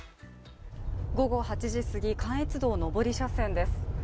午後８時過ぎ関越道上り車線です。